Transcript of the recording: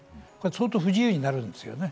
相当、不自由になるんですよね。